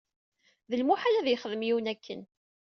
D lmuḥal ad yexdem yiwen akken.